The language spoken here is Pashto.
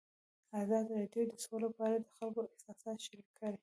ازادي راډیو د سوله په اړه د خلکو احساسات شریک کړي.